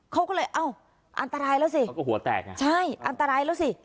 เขาก็เลยเอ้าอันตรายแล้วสิเขาก็หัวแตกนะใช่อันตรายแล้วสิ